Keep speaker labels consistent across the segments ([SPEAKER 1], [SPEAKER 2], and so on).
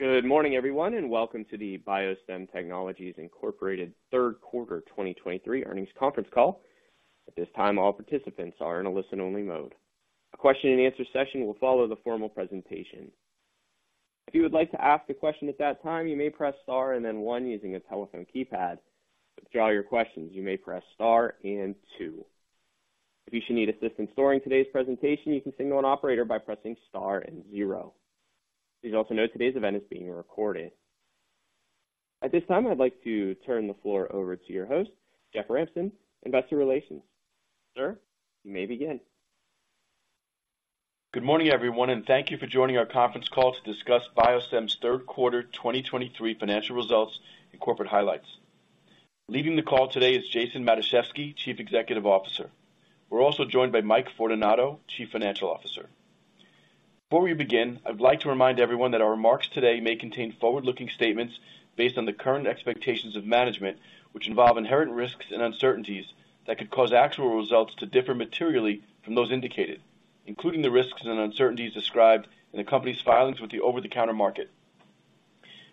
[SPEAKER 1] Good morning, everyone, and welcome to the BioStem Technologies Incorporated third quarter 2023 earnings conference call. At this time, all participants are in a listen-only mode. A question-and-answer session will follow the formal presentation. If you would like to ask a question at that time, you may press star and then one using your telephone keypad. To withdraw your questions, you may press star and two. If you should need assistance during today's presentation, you can signal an operator by pressing star and zero. Please also note today's event is being recorded. At this time, I'd like to turn the floor over to your host, Jeff Ramson, Investor Relations. Sir, you may begin.
[SPEAKER 2] Good morning, everyone, and thank you for joining our conference call to discuss BioStem's third quarter 2023 financial results and corporate highlights. Leading the call today is Jason Matuszewski, Chief Executive Officer. We're also joined by Mike Fortunato, Chief Financial Officer. Before we begin, I'd like to remind everyone that our remarks today may contain forward-looking statements based on the current expectations of management, which involve inherent risks and uncertainties that could cause actual results to differ materially from those indicated, including the risks and uncertainties described in the company's filings with the over-the-counter market.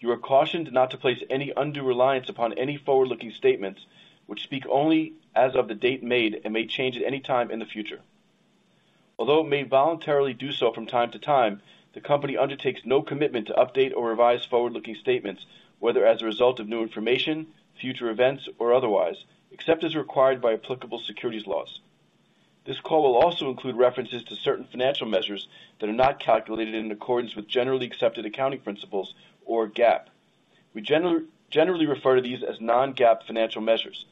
[SPEAKER 2] You are cautioned not to place any undue reliance upon any forward-looking statements, which speak only as of the date made and may change at any time in the future. Although it may voluntarily do so from time to time, the company undertakes no commitment to update or revise forward-looking statements, whether as a result of new information, future events, or otherwise, except as required by applicable securities laws. This call will also include references to certain financial measures that are not calculated in accordance with generally accepted accounting principles or GAAP. We generally refer to these as non-GAAP financial measures.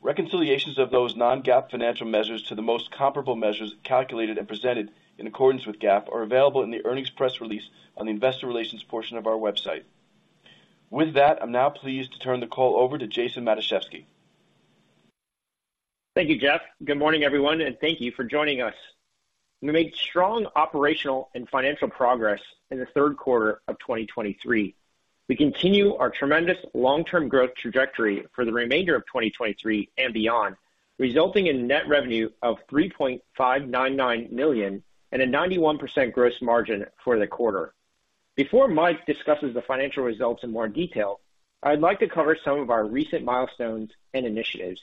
[SPEAKER 2] Reconciliations of those non-GAAP financial measures to the most comparable measures calculated and presented in accordance with GAAP are available in the earnings press release on the investor relations portion of our website. With that, I'm now pleased to turn the call over to Jason Matuszewski.
[SPEAKER 3] Thank you, Jeff. Good morning, everyone, and thank you for joining us. We made strong operational and financial progress in the third quarter of 2023. We continue our tremendous long-term growth trajectory for the remainder of 2023 and beyond, resulting in net revenue of $3.599 million and a 91% gross margin for the quarter. Before Mike discusses the financial results in more detail, I'd like to cover some of our recent milestones and initiatives.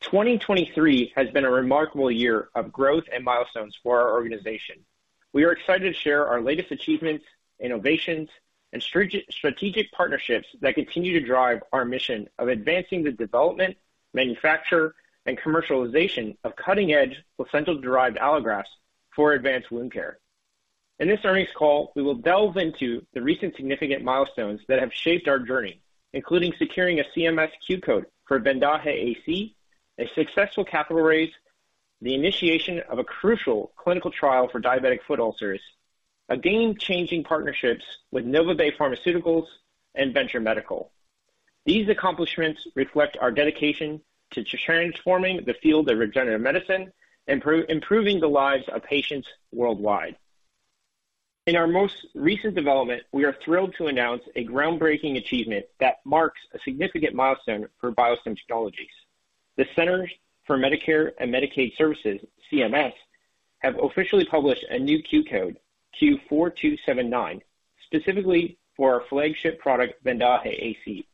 [SPEAKER 3] 2023 has been a remarkable year of growth and milestones for our organization. We are excited to share our latest achievements, innovations, and strategic partnerships that continue to drive our mission of advancing the development, manufacture, and commercialization of cutting-edge placental-derived allografts for advanced wound care. In this earnings call, we will delve into the recent significant milestones that have shaped our journey, including securing a CMS Q code for VENDAJE AC, a successful capital raise, the initiation of a crucial clinical trial for diabetic foot ulcers, a game-changing partnerships with NovaBay Pharmaceuticals and Venture Medical. These accomplishments reflect our dedication to transforming the field of regenerative medicine, improving the lives of patients worldwide. In our most recent development, we are thrilled to announce a groundbreaking achievement that marks a significant milestone for BioStem Technologies. The Centers for Medicare and Medicaid Services, CMS, have officially published a new Q code, Q4279, specifically for our flagship product, VENDAJE AC.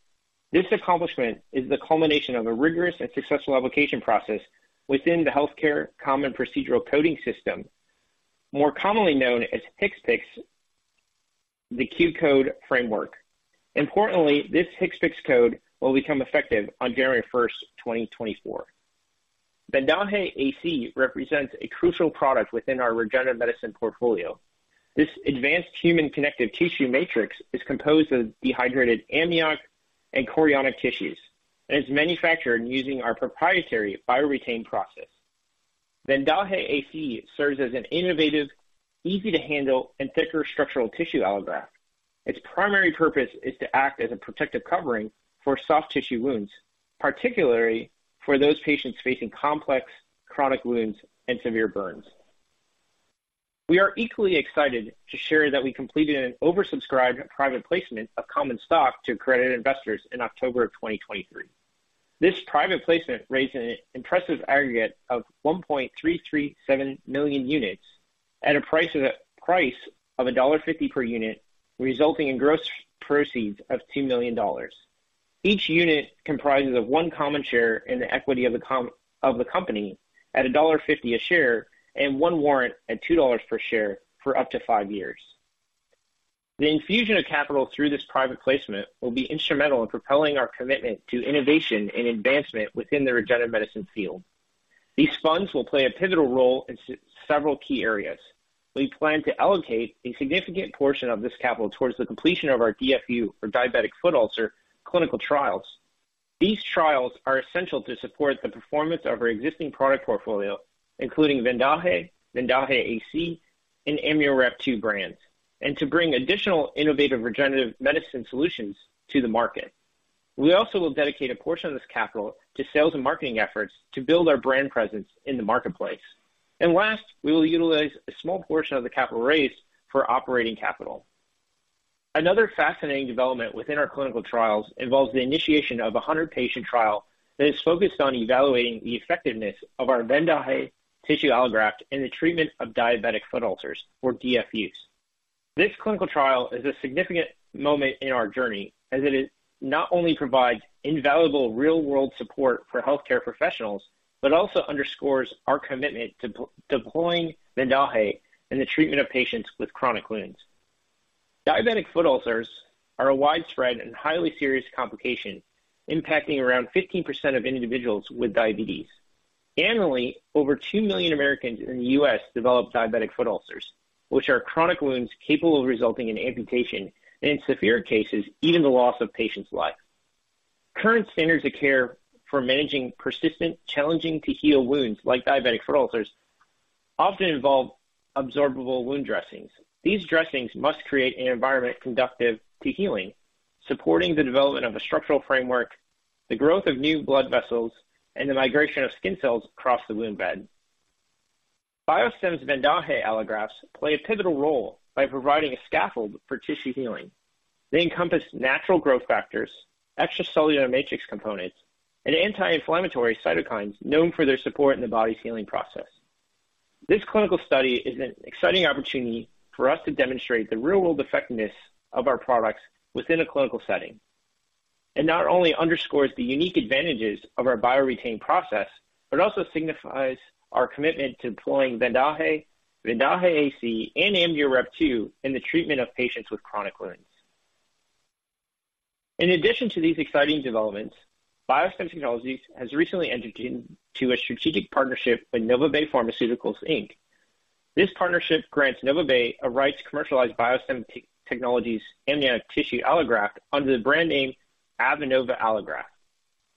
[SPEAKER 3] This accomplishment is the culmination of a rigorous and successful application process within the Healthcare Common Procedure Coding System, more commonly known as HCPCS, the Q code framework. Importantly, this HCPCS code will become effective on January first, 2024. VENDAJE AC represents a crucial product within our regenerative medicine portfolio. This advanced human connective tissue matrix is composed of dehydrated amniotic and chorionic tissues and is manufactured using our proprietary BioREtain process. VENDAJE AC serves as an innovative, easy-to-handle, and thicker structural tissue allograft. Its primary purpose is to act as a protective covering for soft tissue wounds, particularly for those patients facing complex chronic wounds and severe burns. We are equally excited to share that we completed an oversubscribed private placement of common stock to accredited investors in October of 2023. This private placement raised an impressive aggregate of 1.337 million units at a price of $1.50 per unit, resulting in gross proceeds of $2 million. Each unit comprises of one common share in the equity of the company at $1.50 a share and one warrant at $2 per share for up to five years. The infusion of capital through this private placement will be instrumental in propelling our commitment to innovation and advancement within the regenerative medicine field. These funds will play a pivotal role in several key areas. We plan to allocate a significant portion of this capital towards the completion of our DFU or diabetic foot ulcer clinical trials. These trials are essential to support the performance of our existing product portfolio, including VENDAJE, VENDAJE AC, and AmnioWrap2 brands, and to bring additional innovative regenerative medicine solutions to the market. We also will dedicate a portion of this capital to sales and marketing efforts to build our brand presence in the marketplace. Last, we will utilize a small portion of the capital raised for operating capital. Another fascinating development within our clinical trials involves the initiation of a 100-patient trial that is focused on evaluating the effectiveness of our VENDAJE tissue allograft in the treatment of diabetic foot ulcers, or DFUs. This clinical trial is a significant moment in our journey, as it not only provides invaluable real-world support for healthcare professionals, but also underscores our commitment to deploying VENDAJE in the treatment of patients with chronic wounds. Diabetic foot ulcers are a widespread and highly serious complication, impacting around 15% of individuals with diabetes. Annually, over 2 million Americans in the U.S. develop diabetic foot ulcers, which are chronic wounds capable of resulting in amputation and, in severe cases, even the loss of patients' life. Current standards of care for managing persistent, challenging to heal wounds like diabetic foot ulcers often involve absorbable wound dressings. These dressings must create an environment conducive to healing, supporting the development of a structural framework, the growth of new blood vessels, and the migration of skin cells across the wound bed. BioStem's VENDAJE allografts play a pivotal role by providing a scaffold for tissue healing. They encompass natural growth factors, extracellular matrix components, and anti-inflammatory cytokines known for their support in the body's healing process. This clinical study is an exciting opportunity for us to demonstrate the real-world effectiveness of our products within a clinical setting. It not only underscores the unique advantages of our BioREtain process, but also signifies our commitment to deploying VENDAJE, VENDAJE AC, and AmnioWrap2 in the treatment of patients with chronic wounds. In addition to these exciting developments, BioStem Technologies has recently entered into a strategic partnership with NovaBay Pharmaceuticals, Inc. This partnership grants NovaBay a right to commercialize BioStem Technologies' amniotic tissue allograft under the brand name Avenova Allograft.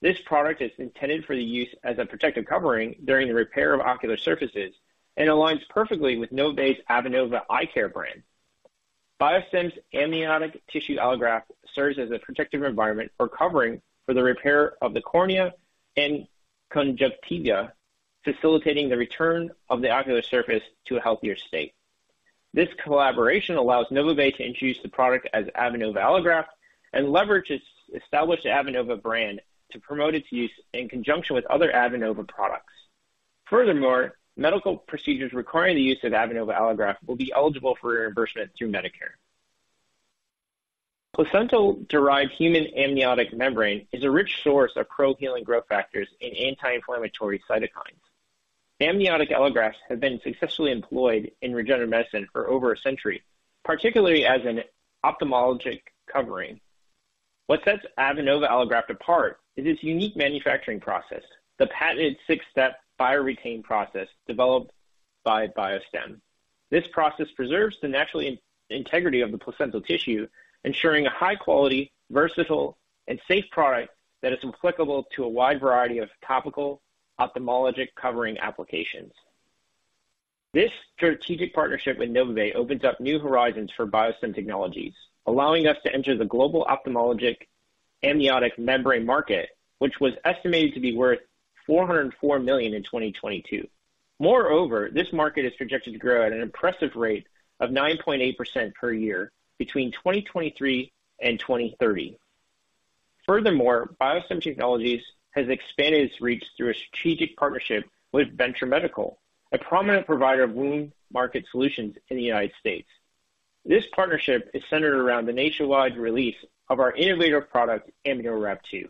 [SPEAKER 3] This product is intended for the use as a protective covering during the repair of ocular surfaces and aligns perfectly with NovaBay's Avenova Eye Care brand. BioStem's amniotic tissue allograft serves as a protective environment for covering for the repair of the cornea and conjunctiva, facilitating the return of the ocular surface to a healthier state. This collaboration allows NovaBay to introduce the product as Avenova Allograft and leverage its established Avenova brand to promote its use in conjunction with other Avenova products. Furthermore, medical procedures requiring the use of Avenova Allograft will be eligible for reimbursement through Medicare. Placental-derived human amniotic membrane is a rich source of pro-healing growth factors and anti-inflammatory cytokines. Amniotic allografts have been successfully employed in regenerative medicine for over a century, particularly as an ophthalmologic covering. What sets Avenova Allograft apart is its unique manufacturing process, the patented six-step BioREtain process developed by BioStem. This process preserves the natural integrity of the placental tissue, ensuring a high quality, versatile, and safe product that is applicable to a wide variety of topical ophthalmologic covering applications. This strategic partnership with NovaBay opens up new horizons for BioStem Technologies, allowing us to enter the global ophthalmologic amniotic membrane market, which was estimated to be worth $404 million in 2022. Moreover, this market is projected to grow at an impressive rate of 9.8% per year between 2023 and 2030. Furthermore, BioStem Technologies has expanded its reach through a strategic partnership with Venture Medical, a prominent provider of wound market solutions in the United States. This partnership is centered around the nationwide release of our innovative product, AmnioWrap2.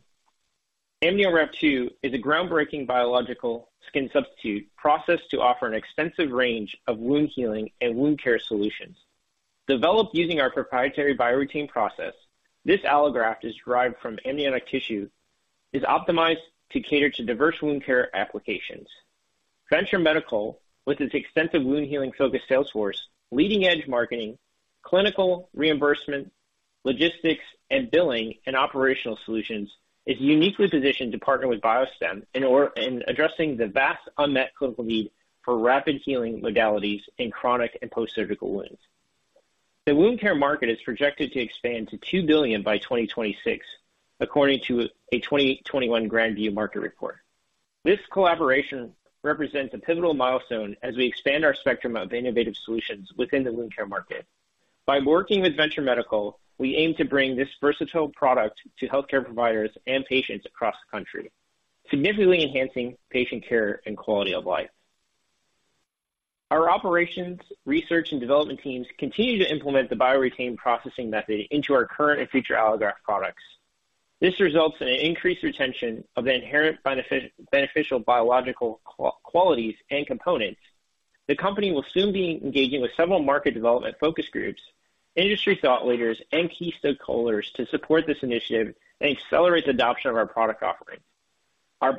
[SPEAKER 3] AmnioWrap2 is a groundbreaking biological skin substitute processed to offer an extensive range of wound healing and wound care solutions. Developed using our proprietary BioREtain process, this allograft is derived from amniotic tissue, is optimized to cater to diverse wound care applications. Venture Medical, with its extensive wound healing-focused sales force, leading-edge marketing, clinical reimbursement, logistics, and billing, and operational solutions, is uniquely positioned to partner with BioStem in addressing the vast unmet clinical need for rapid healing modalities in chronic and post-surgical wounds. The wound care market is projected to expand to $2 billion by 2026, according to a 2021 Grand View Research report. This collaboration represents a pivotal milestone as we expand our spectrum of innovative solutions within the wound care market. By working with Venture Medical, we aim to bring this versatile product to healthcare providers and patients across the country, significantly enhancing patient care and quality of life. Our operations, research, and development teams continue to implement the BioREtain processing method into our current and future allograft products. This results in an increased retention of the inherent beneficial biological qualities and components. The company will soon be engaging with several market development focus groups, industry thought leaders, and key stakeholders to support this initiative and accelerate the adoption of our product offering. Our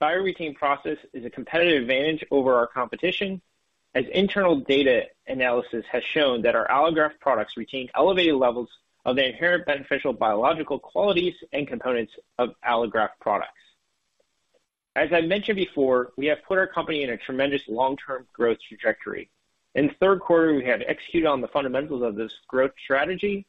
[SPEAKER 3] bio-retained process is a competitive advantage over our competition, as internal data analysis has shown that our allograft products retain elevated levels of the inherent beneficial biological qualities and components of allograft products. As I mentioned before, we have put our company in a tremendous long-term growth trajectory. In the third quarter, we had to execute on the fundamentals of this growth strategy.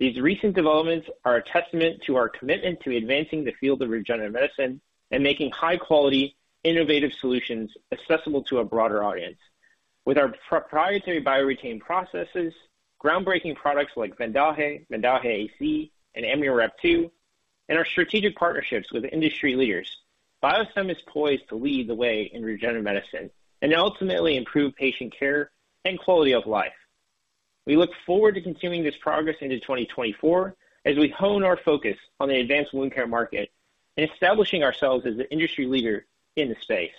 [SPEAKER 3] These recent developments are a testament to our commitment to advancing the field of regenerative medicine and making high-quality, innovative solutions accessible to a broader audience. With our proprietary BioREtain processes, groundbreaking products like VENDAJE, VENDAJE AC, and AmnioWrap2 and our strategic partnerships with industry leaders, BioStem is poised to lead the way in regenerative medicine and ultimately improve patient care and quality of life. We look forward to continuing this progress into 2024 as we hone our focus on the advanced wound care market and establishing ourselves as an industry leader in the space.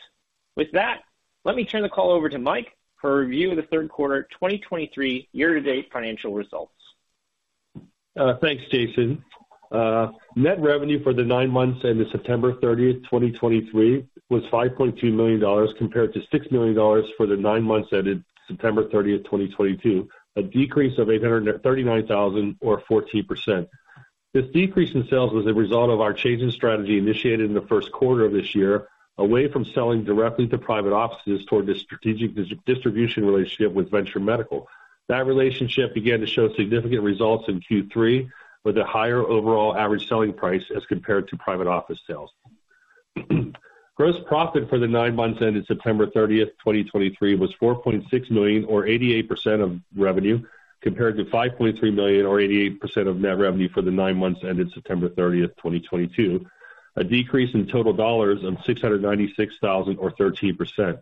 [SPEAKER 3] With that, let me turn the call over to Mike for a review of the third quarter 2023 year-to-date financial results.
[SPEAKER 4] Thanks, Jason. Net revenue for the nine months ending September 30th, 2023, was $5.2 million, compared to $6 million for the nine months ended September 30th, 2022, a decrease of $839,000 or 14%. This decrease in sales was a result of our change in strategy, initiated in the first quarter of this year, away from selling directly to private offices toward the strategic distribution relationship with Venture Medical. That relationship began to show significant results in Q3, with a higher overall average selling price as compared to private office sales. Gross profit for the nine months ended September 30th, 2023, was $4.6 million or 88% of revenue, compared to $5.3 million or 88% of net revenue for the nine months ended September 30th, 2022. A decrease in total dollars of $696,000 or 13%.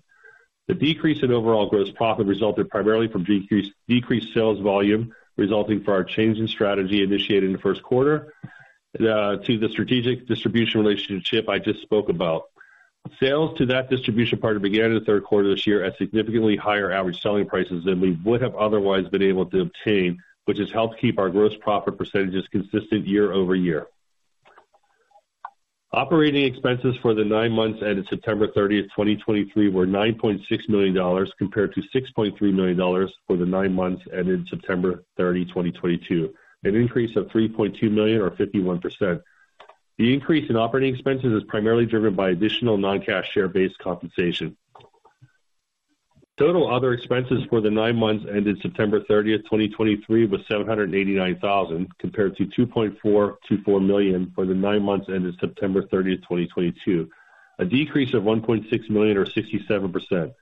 [SPEAKER 4] The decrease in overall gross profit resulted primarily from decreased sales volume, resulting from our change in strategy initiated in the first quarter to the strategic distribution relationship I just spoke about. Sales to that distribution partner began in the third quarter this year at significantly higher average selling prices than we would have otherwise been able to obtain, which has helped keep our gross profit percentages consistent year over year. Operating expenses for the nine months ended September 30th, 2023, were $9.6 million, compared to $6.3 million for the nine months ended September 30, 2022, an increase of $3.2 million or 51%. The increase in operating expenses is primarily driven by additional non-cash, share-based compensation. Total other expenses for the nine months ended September 30th, 2023, was $789,000, compared to $2.424 million for the nine months ended September 30th, 2022. A decrease of $1.6 million or 67%.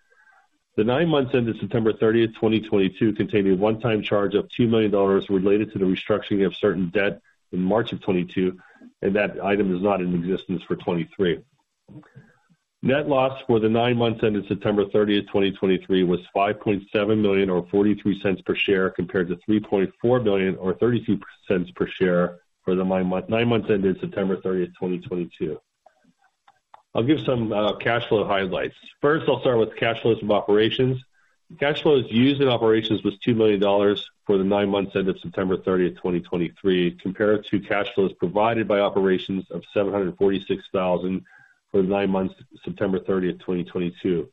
[SPEAKER 4] The nine months ended September 30th, 2022, contained a one-time charge of $2 million related to the restructuring of certain debt in March 2022, and that item is not in existence for 2023. Net loss for the nine months ended September 30th, 2023, was $5.7 million or $0.43 per share, compared to $3.4 billion or $0.32 per share for the nine months ended September 30th, 2022. I'll give some cash flow highlights. First, I'll start with cash flows from operations. Cash flows used in operations was $2 million for the nine months ended September 30th, 2023, compared to cash flows provided by operations of $746,000 for the nine months, September 30th, 2022.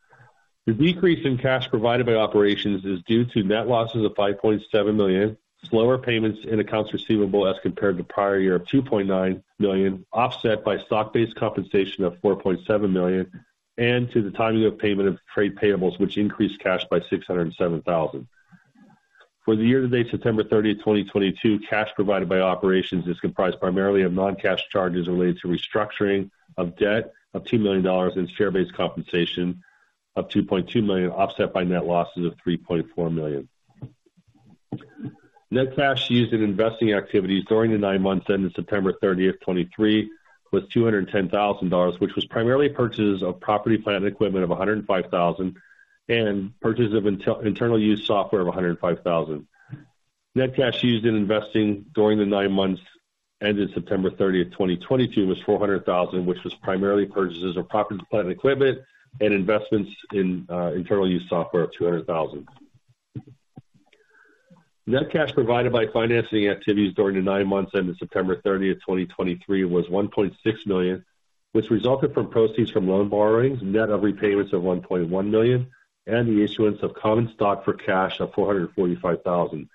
[SPEAKER 4] The decrease in cash provided by operations is due to net losses of $5.7 million, slower payments in accounts receivable as compared to prior year of $2.9 million, offset by stock-based compensation of $4.7 million, and to the timing of payment of trade payables, which increased cash by $607,000. For the year-to-date September 30th, 2022, cash provided by operations is comprised primarily of non-cash charges related to restructuring of debt of $2 million and share-based compensation of $2.2 million, offset by net losses of $3.4 million. Net cash used in investing activities during the nine months ended September 30th, 2023, was $210,000, which was primarily purchases of property, plant, and equipment of $105,000, and purchases of internal use software of $105,000. Net cash used in investing during the nine months ended September 30th, 2022, was $400,000, which was primarily purchases of property, plant, and equipment and investments in internal use software of $200,000. Net cash provided by financing activities during the nine months ended September 30th, 2023, was $1.6 million, which resulted from proceeds from loan borrowings, net of repayments of $1.1 million, and the issuance of common stock for cash of $445,000.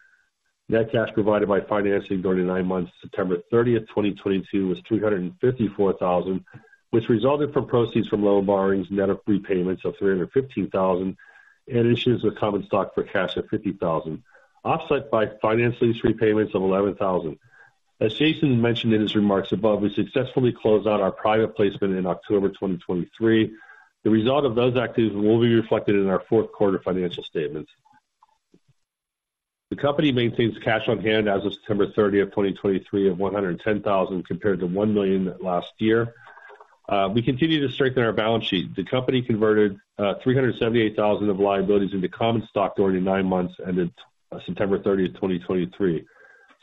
[SPEAKER 4] Net cash provided by financing during the nine months, September 30th, 2022, was $354,000, which resulted from proceeds from loan borrowings, net of prepayments of $315,000, and issuance of common stock for cash of $50,000, offset by finance lease repayments of $11,000. As Jason mentioned in his remarks above, we successfully closed out our private placement in October 2023. The result of those activities will be reflected in our fourth quarter financial statements. The company maintains cash on hand as of September 30th, 2023, of $110,000, compared to $1 million last year. We continue to strengthen our balance sheet. The company converted $378,000 of liabilities into common stock during the nine months ended September 30th, 2023.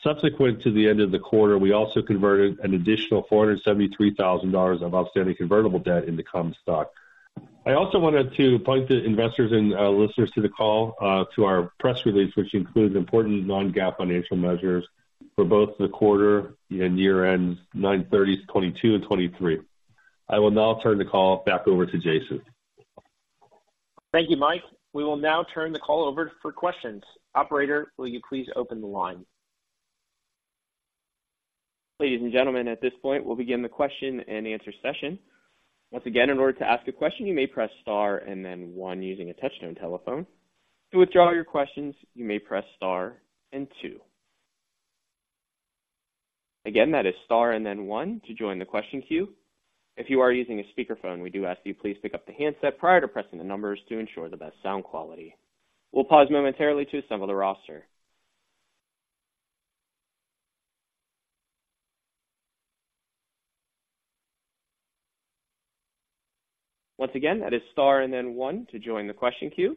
[SPEAKER 4] Subsequent to the end of the quarter, we also converted an additional $473,000 of outstanding convertible debt into common stock. I also wanted to point the investors and, listeners to the call, to our press release, which includes important non-GAAP financial measures for both the quarter and year ends, 9/30/2022 and 9/30/2023. I will now turn the call back over to Jason.
[SPEAKER 3] Thank you, Mike. We will now turn the call over for questions. Operator, will you please open the line?
[SPEAKER 1] Ladies and gentlemen, at this point, we'll begin the question and answer session. Once again, in order to ask a question, you may press star and then one using a touchtone telephone. To withdraw your questions, you may press star and two. Again, that is star and then one to join the question queue. If you are using a speakerphone, we do ask you please pick up the handset prior to pressing the numbers to ensure the best sound quality. We'll pause momentarily to assemble the roster. Once again, that is star and then one to join the question queue.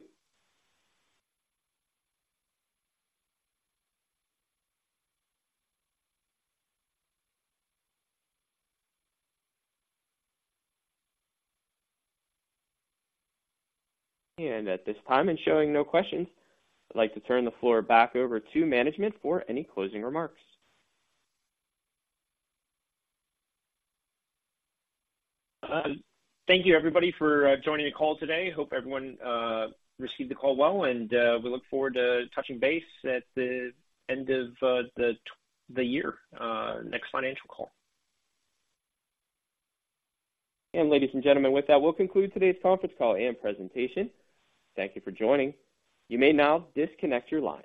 [SPEAKER 1] At this time, showing no questions, I'd like to turn the floor back over to management for any closing remarks.
[SPEAKER 3] Thank you, everybody, for joining the call today. Hope everyone received the call well, and we look forward to touching base at the end of the year, next financial call.
[SPEAKER 1] Ladies and gentlemen, with that, we'll conclude today's conference call and presentation. Thank you for joining. You may now disconnect your line.